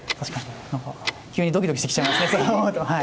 急にどきどきしてきちゃいますね。